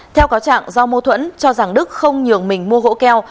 theo cáo trạng do mâu thuẫn cho rằng đức không nhường mình mua gỗ keo